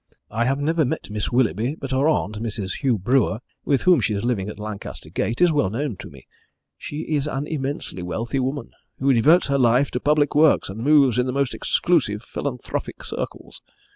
I have never met Miss Willoughby, but her aunt, Mrs. Hugh Brewer, with whom she is living at Lancaster Gate, is well known to me. She is an immensely wealthy woman, who devotes her life to public works, and moves in the most exclusive philanthropic circles.